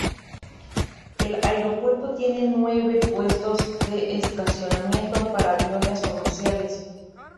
El aeropuerto tiene nueve puestos de estacionamiento para aviones comerciales.